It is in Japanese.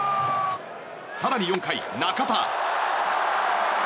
更に４回、中田。